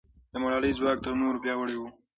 د ملالۍ ځواک تر نورو پیاوړی و.